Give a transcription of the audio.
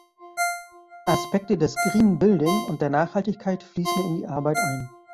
Aspekte des Green Building und der Nachhaltigkeit fließen in die Arbeit ein.